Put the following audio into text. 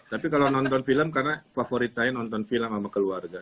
tapi kalau nonton film karena favorit saya nonton film sama keluarga